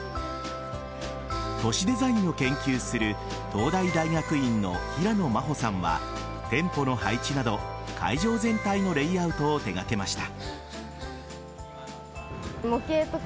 都市デザインを研究する東大大学院の平野真帆さんは店舗の配置など、会場全体のレイアウトを手掛けました。